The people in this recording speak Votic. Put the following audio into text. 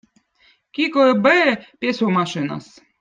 Kiko eb õõ pesumašinõz